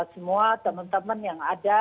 semua teman teman yang ada